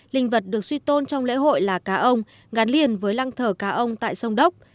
linh vật được suy tôn trong lễ hội là cá ông gắn liền với lăng thờ cá ông tại sông đốc